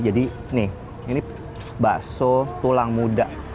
jadi nih ini bakso tulang muda